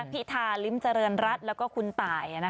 พิริธาลิมจริงรัตรแล้วก็คุณตาย